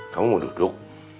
kamu mau duduk